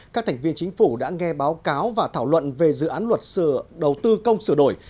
các thành viên chính phủ đã nghe báo cáo và thảo luận về dự án luật đầu tư công sửa đổi